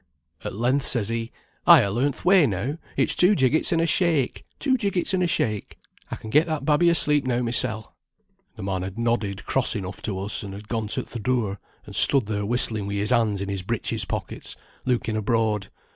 At length says he, 'I ha learnt th' way now; it's two jiggits and a shake, two jiggits and a shake. I can get that babby asleep now mysel.' "The man had nodded cross enough to us, and had gone to th' door, and stood there whistling wi' his hands in his breeches pockets, looking abroad.